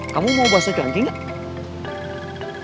kamu mau bahasa ganti gak